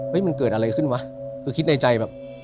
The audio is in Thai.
มันเกิดอะไรขึ้นวะคือคิดในใจแบบ